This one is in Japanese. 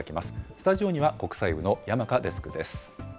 スタジオには国際部の山香デスクです。